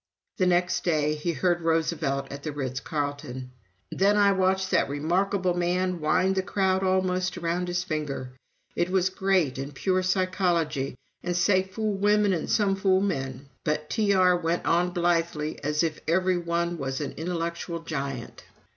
The next day he heard Roosevelt at the Ritz Carton. "Then I watched that remarkable man wind the crowd almost around his finger. It was great, and pure psychology; and say, fool women and some fool men; but T.R. went on blithely as if every one was an intellectual giant."